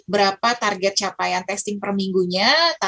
berapa target capaian testing perminggunya